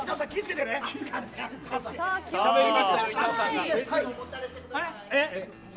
しゃべりましたよ